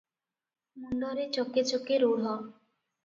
ମୁଣ୍ଡରେ ଚକେ ଚକେ ରୁଢ ।